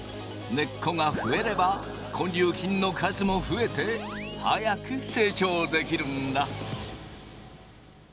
根っこが増えれば根粒菌の数も増えて早く成長できるんだ。